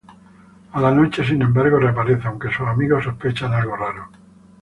A la noche, sim embargo, reaparece, aunque sus amigos sospechan algo raro.